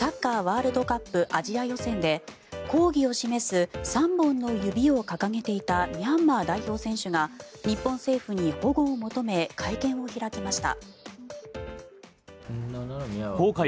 ワールドカップアジア予選で抗議を示す３本の指を掲げていたミャンマー代表選手が日本政府に保護を求め会見を開きました。